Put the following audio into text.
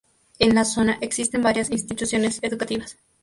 En la zona existen varias instituciones educativas.